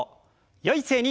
よい姿勢に。